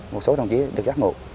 một số đồng chí được giác ngộ